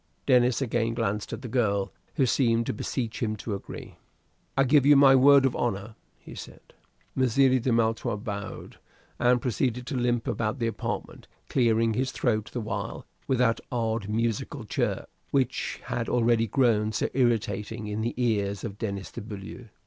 Denis again glanced at the girl, who seemed to beseech him to agree. "I give you my word of honor," he said. Messire de Maletroit bowed, and proceeded to limp about the apartment, clearing his throat the while with that odd musical chirp which had already grown so irritating in the ears of Denis de Beaulieu.